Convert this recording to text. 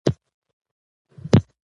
ایا ستا ورور په دې پوهنتون کې درس وایي؟